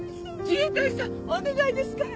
自衛隊さんお願いですから。